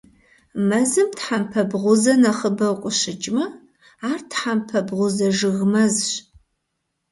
Мэзым тхьэмпэ бгъузэ нэхъыбэу къыщыкӀмэ - ар тхьэмпэ бгъузэ жыг мэзщ.